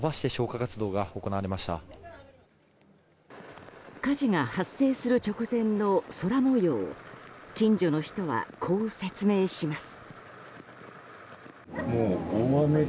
火事が発生する直前の空模様を近所の人はこう説明します。